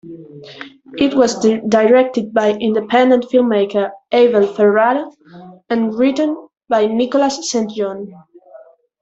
It was directed by independent filmmaker Abel Ferrara and written by Nicholas Saint John.